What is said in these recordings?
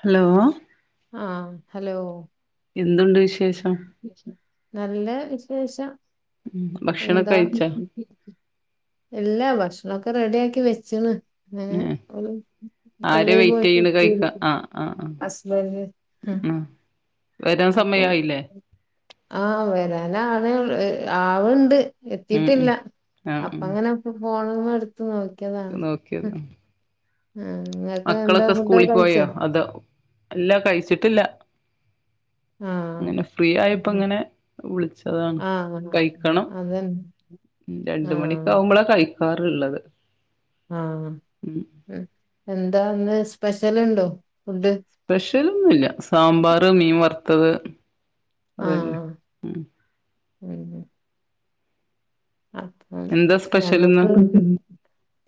Hello ആഹ hello എന്തുണ്ട് വിശേഷം നല്ല വിശേഷം ഉം ഭക്ഷണൊക്കെ എന്താ കഴിച്ചാ എല്ലാ ഭക്ഷണം അതൊക്കെ റെഡിയ ആക്കി വെച്ച്ണ് ഏഹ് ഓള് ആരെ പള്ളിൽ വെയിറ്റ് പോയിട്ട് ചെയ്യണ് എത്തിയില്ല കഴിക്കാ ആഹ് ആഹ് ആഹ് വര് അ ഉം വരാൻ അപ്പൊ സമയായില്ലേ ആ വരാ എനാന്ന് [unintelligible] ആവ്ണ്ട് ഉം ഉം എത്തിയിട്ടില്ല ആഹ് അപ്പ ഉം ങ്ങനെ പോണംന്നെട് നോക്കിയതാണ് ഹ് നോക്കിയതാ മക്കളൊക്കെ സ്കൂളി കഴിച്ചോ പോയോ? അത് എല്ലാ കഴിച്ചിട്ടില്ല ആഹ് അങ്ങനെ ഫ്രീ ആയപ്പോ ങ്ങനെ [unintelligible] ച്ചതാന്ന് ആഹ് കഴിക്കണം അതന്നെ ആഹ് രണ്ട്മണിക്കാഉമ്പളാ കഴി കാറ്ള്ളത് ആഹ് എ ന്താന്ന് സ്പെഷ്യല്ണ്ടോ? സ്പെഷ്യലൊന്നുല്ല സാമ്പാറ് മീൻ വർ ത്തത് അതന്നെ ആഹ് ഉം ഉം ഉം അപ്പം എന്താ സ്പെഷ്യലിന്ന് ഞങ്ങക്ക്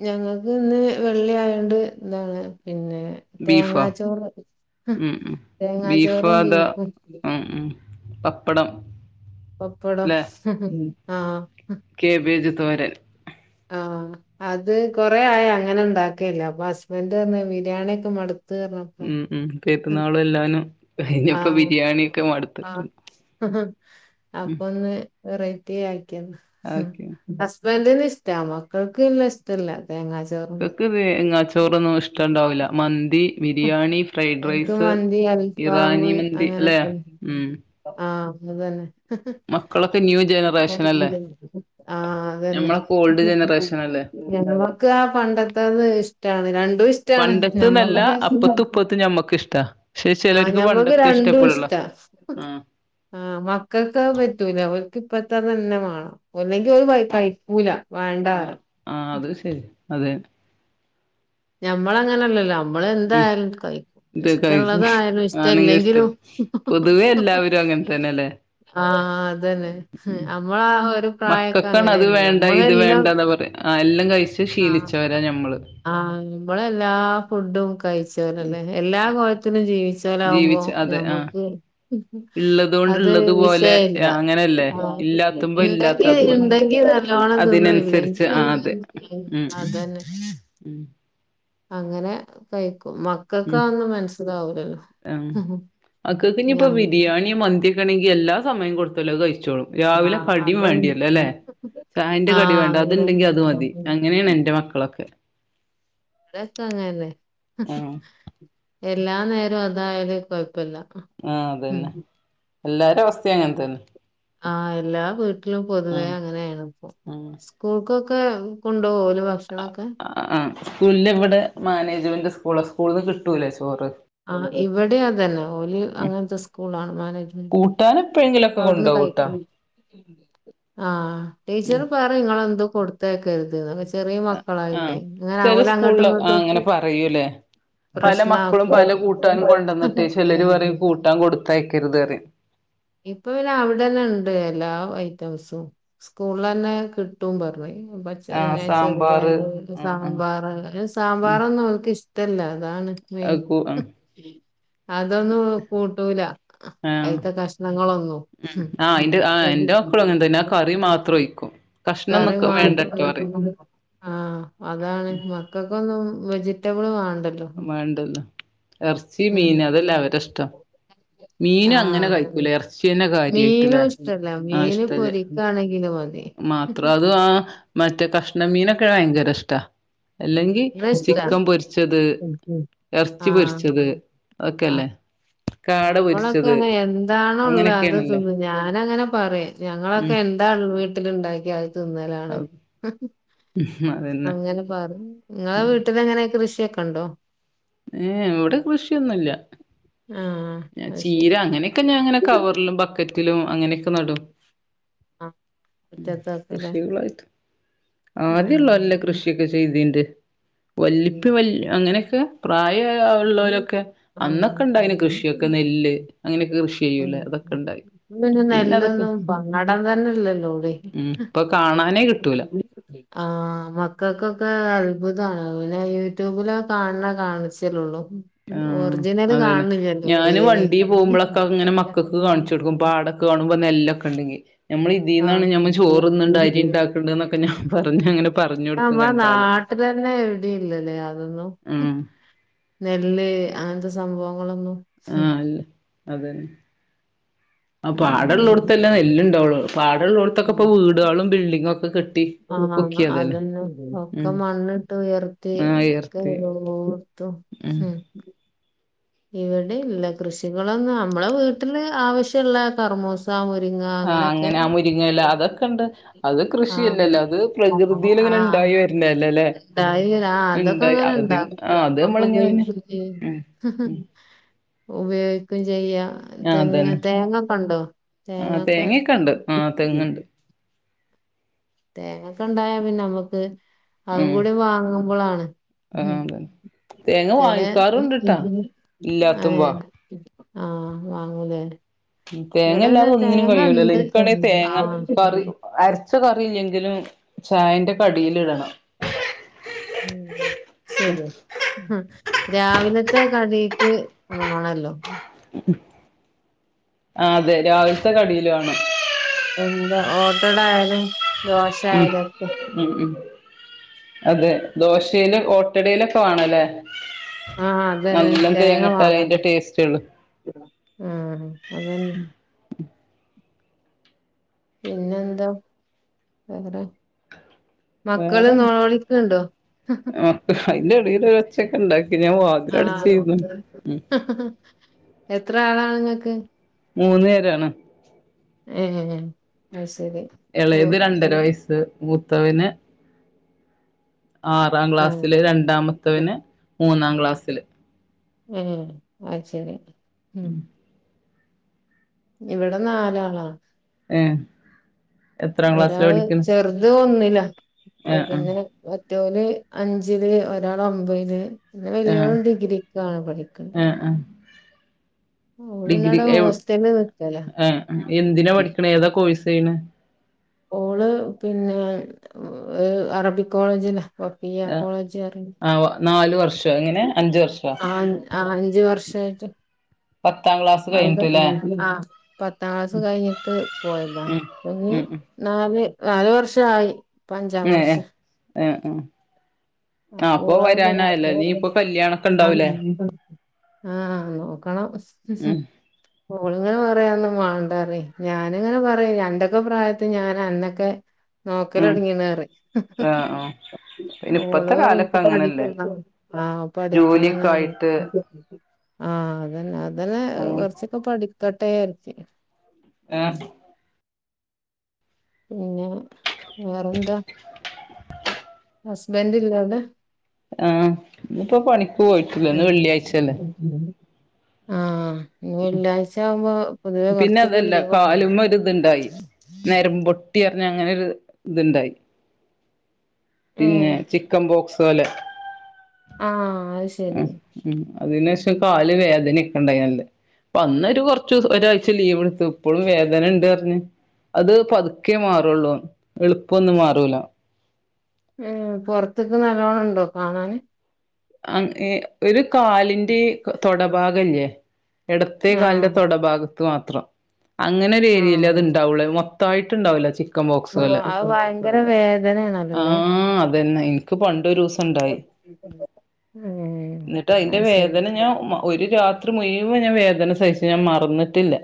ഞങ്ങക്ക് ന്ന് വെള്ളി ആയോണ്ട് താണ് പിന്നെ ബീഫോ തേങ്ങാച്ചോറ് ഉം ബീഫ് തേങ്ങാച്ചോറും അതാ ബീഫും ഉം ഉം പപ്പടം പപ്പടം ല്ലെ ഉം കേബേജ് തോരൻ ആ അത് കൊറേ ആയങ്ങനെ ണ്ടാക്കെല്ല അപ്പൊ ഹസ്ബൻഡ് ർഞ് ബിരിയാണിയൊക്കെ മട് ത്ത് ർഞ്ഞപ്പേ ഉം ഉം ഉം പെരുന്നാളും എല്ലാനും ആ കഴിഞ്ഞപ്പോ ബിരിയാണിയൊക്കെ ആ മടുത്തിട്ടുണ്ട് ഉം അപ്പൊന്ന് വെറൈറ്റിയായ് ക്കേ ന്നാ ഓക്കെ ഹസ് ബന്റിന് ഷ് റ്റ മക്കൾക്ക് ല്ല ഇഷ്ടല്ല ക്കക്ക് വേ തേങ്ങാച്ചോറൊന്നും ഇഷ്ടണ്ടാവൂല്ല മന്തി തേങ്ങാച്ചോറൊന്നും ബിരിയാണി ഫ്രൈഡ് ഓൽക്ക് റൈസ് മന്തി അൽഫാമ് ഇറാനി മന്തി അല്ലെ അങ്ങനൊക്കെ ഉം ആഹ് അതന്നെ മക്കളൊക്കെ ന്യൂ ജനറേഷൻ അല്ലേ [unintelligible] ആ അതന്നെ ഞമ്മളൊക്കെ ഓൾഡ് ജനറേഷൻ അല്ലേ ഞമ്മക്ക് ആ പണ്ടെത്തത് ഇഷ് ട്ടാണ് രൺ പണ്ടത്ത് നല്ല അപ്പത്തും ഇപ്പത്തും ഞമ്മക്ക് ഇഷ്ട ആ ഞമ്മക്ക് രണ്ടും ഇഷ്ട ആഹ് ആ മക്കൾക്ക് അത് പറ്റൂല ഇപ്പത്തെ തന്നെ വേണം അല്ലെങ്കിൽ ഒരു വക കൈക്കൂല ആ ആ അത് ശരി അതെന്നെ ഞമ്മള് അങ്ങനെല്ലല്ലോ നമ്മള ഉം എന്തായാലും കഴിക്കു ഇത് കഴിക്കും ഇഷ്ടമുള്ളതയാലും ആണുങ്ങ ഇഷ്ട ഇഷ്ടമല്ലെങ്കിലും പൊതുവെ എല്ലാവരും അങ്ങനെ തന്നെല്ലേ ആ അതന്നെ ഹും നമ്മളാ ഒരു പ്രായൊക്കെ മക്കൾക്കാണ് അത് അങ്ങനെനിയല്ലോ വേണ്ട ഇത് നമ്മളെല്ലാം വേണ്ടന്നാ പറയാ ആ എല്ലാം കഴി ച്ച് ശീലിച്ചവരാ ഞമ്മള് ആഹ നമ്മള എല്ലാ ഫുഡും കഴിച്ചവരല്ലേ എല്ലാ കോലത്തിലും ജീവിച് ച്ചോലാവുമ്പോ ജീവിച്ച് അതെ ആഹ് ഞമ്മക്ക് ഇള്ളത് കൊണ്ട് അതൊരു ഇള്ളത് പോലെ വിഷയില്ല ആ അങ്ങനെയല്ലേ ആ ഇല്ലാത്തുമ്പോ ഇല്ലാത്ത ഇണ്ടെങ്കി അതുപോലെ ഇണ്ടെങ്കി നല്ലോണം തിന്നും അതിനനുസരിച്ച് ഇല്ലെങ്കിൽ ആ അതെ ഉം അതന്നെ ഉം അങ്ങനെ കഴിക്കും മക്കൾക്ക് ഉം അതൊന്നും മനസ്സിലാവൂലല്ലോ മക്കൾക്ക്‌ ഇനിപ്പോ ഞമ്മക്ക് ബിരിയാണി മന്തിയക്കണെങ്കി എല്ലാ സമയം കൊടുത്ത ത്താലും അതു കഴി ആഹ അത ചായന്റെ കടി ആഹ വേണ്ട അങ്ങനെ അതുണ്ടെങ്കി അത് മതി ഇദൊക്കെ അങ്ങനെയാണ് എന്റെ മക്കളൊക്കെ അങ്ങനെന്നെ ആഹ് എല്ലാ നേരവും അതായല് കൊഴപ്പില്ല ആഹ അതന്നെ എല്ലാരും അവസ്ഥ അങ്ങനെത്തന്നെ ആഹ എല്ലാ വീട്ട ട്ടിലും പൊതുവെ അങ്ങനെയാണ് ഇപ്പോ ഉം സ്കൂൾക്ക്‌ ഒക്കെ കൊണ്ടോകോ ആഹ് സ്കൂളിൽ ഇവിടെ മാനേജ്മെന്റ് സ്കൂള സ്കൂൾന്ന് കിട്ടൂലെ ചോറ് ആ ഇവിടെ അതന്നെ ഓലി ഉം അങ്ങനത്തെ സ്കൂളാണ് മാനേജ്മെന്റ് കൂട്ടാൻ എപ്പോഴെങ്കിലൊക്കെ അവിടുന്ന് കൊണ്ടോവുട്ടോ കഴിക്കൽ ആഹ ഉം ടീച്ചർ പറിയും ഇങ്ങളെന്തും കൊടു ത്തയക്കരുതു ന്ന് ആഹ ചില സ്കൂളിൽ ആ ഇങ്ങട്ടും അങ്ങനെ പറയൂലെ പല മക്കളും പല പ്രശ്നാക്കും. കൂട്ടാനും കൊണ്ടുവന്നിട്ട് ചിലര് പറയും കൂട്ടാൻ കൊടുത്തയകരുത്റയും ഇപ്പൊ പിന്നെ അവിടെന്നെ ഉണ്ട് എല്ലാ ഐറ്റംസും സ്കൂളിൽ തന്നെ കിട്ടും പറഞ്ഞ് പച്ച ആഹ് പിന്നെ സാമ്പാറ് ചെറുപയറ് ആഹ് ആഹ് സാമ്പാറ് അ ഉം സാമ്പാറൊന്നും അവർക്ക് ഇഷ്ട അല്ല അതാണ് മെയിൻ അത് കൂ ആഹ് അതൊന്നും കൂട്ടൂല ആഹ് അതിന്നാതെ കഷ്- ങ്ങളൊന്നു ഉം ആഹ് ഇന്റെ ആഹ് എന്റെ മക്കളും അങ്ങനെ തന്നെ ആ കറി മാത്രം ഒഴിക്കും കറി കഷ്ണംന്നൊക്കെ വേണ്ടട്ടോ പറയും ആ അതാണ് മക്കൾക്കൊന്നും വെജി വെജിറ്റബിൾ വാൻ വേണ്ടല്ല ഇറച്ചി ഉം മീൻ അതല്ല അവരെ ഇഷ്ടം മീന് ആഹ് അങ്ങനെ അതന്നെ കഴിക്കൂല ഇറച്ചി മീനും ഇഷ്ടല്ല മീൻ പൊരിക്കയാണെങ്കിലും മാത്രം അത് ആ മറ്റെ കഷ്ണം മീനക്ക ഭയങ്കര ഇഷ്‌ട അല്ലെങ്കി ഇവിടെ ഇഷ്ടാ ചിക്കൻ പൊരിച്ചത് ഇറച്ചി പൊരിച്ചത് അതൊക്കെ അല്ലേ ഞമ്മളൊക്കെയ എന്താണ ഉള്ള അത് അങ്ങനെയൊക്കെയാണല്ലോ തിന്നും ഞാന് അങ്ങനെ പറയാ ഞങ്ങളൊക്കെ ഉം എന്താവീട്ടി ഉണ്ടാക്കി അതു തിന്നലാണ് അതന്നെ അങ്ങനെ പറ നിങ്ങളെ വീട്ടില് എങ്ങനെ കൃഷിയക്കെ കണ്ടോ ഏ ഇവിടെ കൃഷിയൊന്നുമല്ല ആഹ് ഞാൻ അത് ചീര ശരി അങ്ങനെയൊക്കെ ഞാൻ ഇങ്ങനെ കവറിലും ബക്കറ്റ് ലും അങ്ങനെക്കെ നടും ആ മുറ്റത്തൊക്കെല്ലേ കൃഷികളായിട്ട് ആഹ് ആദ്യള്ളോല്കൃഷിയൊക്കെ ചെയ്തണ്ട് വല്ലിപ്പി വല്യഅങ്ങനെയൊക്കെ പ്രായ ആയ യോള് ഉള്ളാലെക്കെ അന്നൊക്കെ ഉം ഉണ്ടായിന് ഉം കൃഷി നെല്ല് അങ്ങനെയൊക്കെ കൃഷി ചെയ്യൂ ലെ അതൊക്കെ ഉം. ഉണ്ടായി പിന്നെ അതൊക്കെ നെല്ലൊന്നും പാടം തന്നെല്ലല്ലോ ഉ ഇപ്പൊ കാണാനേ കിട്ടൂ [inaudible] ആ മക്കൾക്കൊക്കെ അത്ഭുതാണ് അ പിന്നെ യൂട്യൂബില് കാണുന്ന കായിച്ചല്ലേള്ളൂ ആ അത ന്നെ ഞാന് റിയല് വണ്ടി പോകുമ്പോളൊക്കെ ഇങ്ങനെ മക്കൾക്ക് കാണിച്ചു കൊടുക്കും പാടൊക്കെ കാണുമ്പോ നെല്ലൊക്കെ ഉണ്ടെങ്കി നമ്മൾ ഇതിന്നാണ് ആഹ് ഞമ്മ ചോറ് തിന്ന് ണഅരി ഉണ്ടാക്കണ്ട്എന്നൊക്കെ ഞാൻ പറഞ്ഞു അങ്ങനെ പറഞ്ഞു കൊടുക്കും നമ്മളെ കണ്ടാല് നാട്ടിൽ തന്നെ എവിടെയും ഇല്ലല്ലേ അതൊന്നും ഉ നെല്ല് അങ്ങൻത്തെ സംഭവങ്ങളൊന്നും [inaudible] ആഹ് അല്ല അതന്നെ ആ പാട ള്ളോ ട് ത്തല്ലേ ഉം നെല്ല്ണ്ടാവുള്ളു പാട ള്ളോട് ത്തൊക്കെ ഇപ്പൊവീടുകളും ബിൽഡിങ്ങും ഒക്കെ കെട്ടി ഒക്കിയതല്ലേ ആഅതന്നെ ഒക്കെ ഉം മണ്ണിട്ട് ആ ഉയർത്തിക്കെ ഉയർത്തി എല്ലോട്ത്തു ഉം ഇവിടില്ല കൃഷികളൊന്നും അമ്മളെ വീട്ടില് ആവശ്യള്ള കർമൂസ മു ആഅങ്ങനെ ആ മുരിങ്ങെല അതൊക്കെണ്ട് അത് ആഹ് കൃഷിയല്ലല്ലോ അത് പ്രകൃതിയില്ങ്ങനെ ആഹ് ഇണ്ടായി വര്ണല്ലേ ലെ ഉണ്ടായി വരാ. ആ അതൊക്കെ ഇണ്ടായി അങ്ങനെ അതിൻ ഇണ്ടാക്കും ആ അത് നമ്മക്ക് അമ്മള് ഇങ്ങനെന്നെ ഉപയോഗിക്കും ചെയ്യും പിന്നെ ഉം ഉപയോഗിക്കും ചെയ്യാ ആ തെങ്ങ് അതന്നെ തേങ്ങക്കൊണ്ടോ ആ തേങ്ങക്കെ തേങ്ങൊക്കെ ഉണ്ട് ആ തെങ്ങുണ്ട് [unintelligible] തേങ്ങക്കെണ്ടായാ പിന്നെ അമ്മക്ക് അതും ഉം കൂടിവാങ്ങു മ്പളാണ് ആ തെ തേങ്ങ വാങ്ങിക്കാറുണ്ട്ട്ട ഇല്ലാത്തുമ്പോ ആ വാങ്ങൂലേ ഉം തേങ്ങ ഇവിടെ ല്ലാതെ പിന്നെ ഒന്നിനും തേങ്ങ കഴിയൂ ലല്ലോ ഇണ്ട് ഇൻക്കാണെ തേങ്ങ കറി ആഹ് അരച്ച കറിയില്ലെങ്കിലും ചായന്റെ കടീലി ടണം ഉം ശെരിയാ ആ രാവിലെ ത്തെ കടീക്ക് മാണല്ലോ ഉം ആ അതെ രാവില്ത്തെ കടീല് വാണം എന്താ ഓട്ടടായാലും ഉം ദോശയാലൊക്കെ ഉം ഉം അതെ ദോശേല് ഓട്ടടെലൊക്കെ വാണല്ലേ ആ അതെന്നെ തേങ്ങ ഇട്ടാലേ വാണം അതിന്റെ ടേസ്റ്റ് ഉള്ളു ഉം അതെന്നെ പിന്നെ എന്താ വേറെ മക്കള് വേറെ നോലോളിക്ക്ണ്ടോ അ അയിന്റെ ടെലൊരൊച്ചക്കെ ണ്ടാക്കി ഞാൻ വാ ആഹ് തിലടചിര്ന്നു ഉം മക്കളാണിങ്ങക്ക് മൂന്ന് പേരാണ് അഅ് ശെ എളയത് രണ്ടര വയസ്സ് മൂത്തവന് ആറാം ക്ലാസ്സില് ആഹ് രണ്ടാമത്തോന് മൂന്നാം ക്ലാസ്സില് ഏ അഅ് ശെരി ഉം ഇവടെനാലാളാ ഏ ഒരാള് ചെർത് ഒന്നി ല്ല ഒ ആഹ് പിന്നെ റ്റൊല് അഞ്ചില് ഒരാള് ഒമ്പെല് ന്റെ ആഹ് വല്യോള് ഡിഗ്രിക്കാണ് പഠിക്ക്‌ ണ് ആഹ് ആഹ് ആഹ് ഡിഗ്രി എവ്‌ ഹോസ്റ്റലില് നിക്കലാ അ എന്തിനാ പഠിക്കണ് ഏതാ കോഴ് സ് വീണ് ഓള് പിന്നെ അറബിക് കോളേജിലാ ബഫിയാ ആഹ് കോളേജ് പറയും ആഹ് നാല് വർഷ് എങ്ങനെ അഞ്ചു വർഷോ [unintelligible] പത്താം ക്ലാസ് കഴിഞ്ഞിട്ട്ല്ലേ അവിടെആ പത്താം ക്ലാസ് കഴിഞ്ഞിട്ട് പോയതാ ഉം പ്പഞ് ഉം ഉം നാല് നാല് വർഷായി പ്പ അഞ്ചാം വർഷാ എഹ് എഹ് കല്യാണൊക്കെ ഇണ്ടാവൂലേ [unintelligible] ആ നോക്കണം ഉം ഒള്ങ്ങനെ പറയെന്നും പറിംഞാനിങ്ങനെ പറിം അന്റെക്കെ പ്രായത്തിൽഞാൻ അന്നൊക്കെ നോക്കൽ ഉം ഒടങ്ങിന്ന പറിം ആഹ് ആഹ് പിന്നെ ഓള് ഇപ്പത്തെ പറമ് കാലൊക്കെ അങ്ങനല്ലേ ഇക്ക്പഠിക്കണം ജോലിയൊക്കെ ആപഠിക്കണംങ്ങനെ ആയിട്ട് ഇങ്ങനെ പറിം ആഹ അതന്നെ അത് അതന്നെ അങ്ങനെ കുറച്ചൊക്കെ പഠിക്കട്ടെ തേർച്ചയിട്ടും ആഹ പിന്നെ വേറെഎന്ത സു ബെന്തില്ല അത് ആഹ ഇപ്പൊ പണി ആഹ ആഹ പിന്നെ കൊറച്ചൊക്കെ അതല്ല ലീവാണ് കാലുമ്മ ഒരു ഇതുണ്ടായി നേരമ്പ്പൊട്ടിയറക് പിന്നെ അങ്ങനെ ഒരു ഇതുണ്ടായി പിന്നെ ഏഹ് ചിക്കൻ ബോക്സ് പോലെ ആഹ അത് ശരി അതിനേഷം കാല് വേദനയൊക്കെ ഉണ്ടായില്ല നല്ലംഅന്ന്ഒരു ഒരാഴ്ച ലീവ് എടുത്തു ഇപ്പളും വേദന ഉണ്ട് പറഞ്ഞഞ് അത് പതുക്കേ മാറുള്ളൂ എളുപ്പൊന്നും മാറൂല ഉം പൊറത്ത്ക്ക് നല്ലോണം ഉണ്ടോ കാണാന് അഹ് ഒരു കാലിന്റെ തൊടഭാഗം ഇല്ലേ ഇടത്തേ കാലിന്റെ ആഹ് തൊടഭാഗം ക്ക് മാത്രം അങ്ങനെ ഒരു ഏരിയയിൽ അത് ആഹ് ഉണ്ടാവൂള്ള മൊ ത്തായിട്ടുണ്ടാവുല്ല ചി ആഹ് അത് ഭയങ്കര വേദനയാണല്ലോല്ലേ അതെന്നെ ഇൻക്ക് പണ്ടൊരുസം ഉണ്ടായി ഉം എന്നിട്ട് അതിന്റെ അത് ശരി വേദന ഞാൻ ഒരു രാത്രി മുയ്‌വൻ ഞാൻ വേദന സഹിച്ചു ഞാൻ മറന്നിട്ടില്ല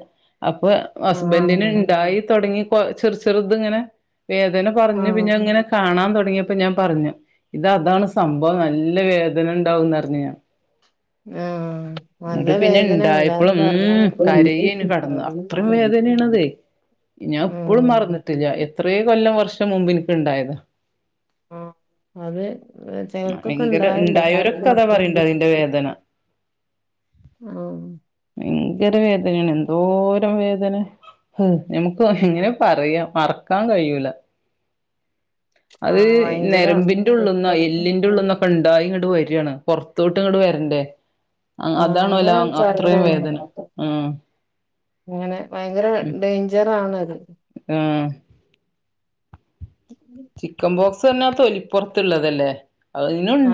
അപ്പൊ ആഹ് ഹസ്ബൻറിന് ഇണ്ടായി തൊടങ്ങി ഇപ്പോ ചെറു ചെറുത്ങ്ങനെ വേദന പറഞ്ഞു ആഹ് പിന്നെ അങ്ങനെ കാണാൻ തൊട തുടങ്ങിയപ്പോ ഞാൻ പറഞ്ഞു ഇത് അതാണ് സംഭവം നല്ല വേദ വേദന ഉണ്ടാവുന്നർഞ്ഞു ഞാൻ ആഹ് നല്ല എന്നിട്ട് പിന്നെ വേദനയാണ് എല്ലാരും ഇണ്ടായപ്പളും ഉം പറഞ്ഞേക്ക കരയന് കടന്ന് അത്രയും വേദനയാണതെ ഞാൻ ഇപ്പഴും ഉം മറന്നിട്ടില്ല എത്ര കൊല്ലം വർഷം ക്കെ മുമ്പ് ഇൻക്ക്ണ്ടായത ആഹ് അതെ ചിലർക്കൊക്കെ ഭയങ്കര ഇണ്ടായണ്ട് ഉണ്ടായവരൊക്കെ കാരണ അതാ പറയണ്ട് അതിന്റെ വേദന [inaudible] ഭയങ്കര വേദനയാണ് എന്തോരം വേദന ഹമ് നമുക്ക് എങ്ങനെ പറയാ മറക്കാൻ കഴിയൂല അത് ആഹ് ഭയങ്കര നരമ്പിന്റെ ഉളള്ന്ന എല്ലിന്റെ ഉള്ളന്ന ക്കേ ഉണ്ടായ വ ണ്ട് വരാണ് പൊർത്തോട്ട് ഇങ്ങട്ട് വര്ണ്ടേ. ആ ആഹ് അതാണോ ലാ അങ്ങനെ അത്രേം വേദന ആഹ് ഇങ്ങനെ ഭയങ്കര ഉം ഡേയ്ഞ്ചറാണത്. ആഹ് ചിക്കൻ ബോക്സ് ന്നാ തൊലിപ്പുറത്തുള്ളതല്ലേ ആ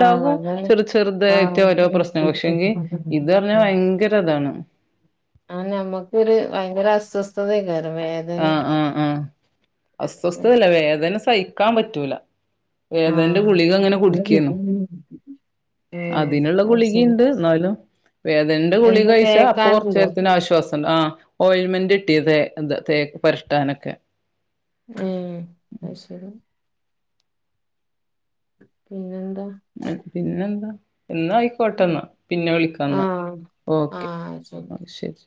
ആഹ് അതാണ് ചെർ ചെറുതായിട്ട് ഓരോ പ്രശ്നങ്ങൾ പക്ഷെങ്കി ഇതർഞ ആഹ് ഭയങ്കരതാണ് ആഹ് ഞമ്മക്കൊരു ഭയങ്കര അസ്വസ്ഥതെക്കര വേദനെ ആഹ് ആഹ് ആഹ് അസ്വസ്ഥതല്ല വേദന സൈക്കാൻ പറ്റൂല. വേദനന്റ ആഹ് ഗുളിക ഇങ്ങനെ ഉം കുടിക്കേന്നു ഉം അതിനുള്ള അത് ശരി ഗുളിഗിണ്ട് എന്നാലും വേദന്റെ ഗുളിക എന്താ കയ്ച്ച അപ്പൊ കൊർച് തേക്കാനുണ്ടോ ര്തിന് ആശ്വാസം ആ ഓയിൽ മെന്റ് കിട്ടിയത് എന്താ തേക്ക് പര്ടാനൊക്കെ ഹേ അത് ശരി പിന്നെൻ ഉം പിന്നെന്താ എന്നാ ആയ്ക്കോട്ടന്നാ പിന്നെ വിളിക്കന്നാ ആഹ് ഓക്കെ ആഹ് ശരി ഒക്കെ ശരി